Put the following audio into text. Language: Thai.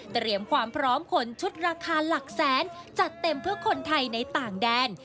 เตรียมความพร้อมขนชุดราคาหลักแสนจัดเต็มเพื่อคนไทยในต่างแดน